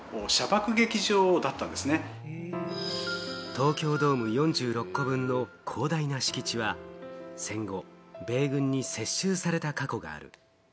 東京ドーム４６個分の広大な敷地は、戦後、米軍に接収された過去がある。